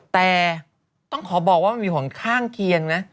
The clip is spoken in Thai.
แต่ต้องขอบอกว่ามันมีผลข้างเคียงนะ